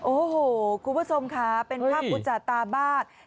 โอ้โหคุณผู้ชมค่ะเป็นภาพอุจจาตามาก